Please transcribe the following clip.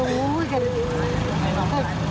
โอ้โห